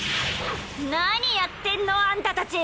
何やってんのあんたたち！